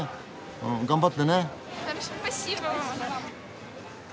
うん頑張ってね！